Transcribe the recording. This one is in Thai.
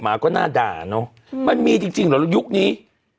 มันมีจริงจริงหรอละยุคนี้